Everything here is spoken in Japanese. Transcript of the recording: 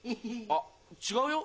あっ違うよ。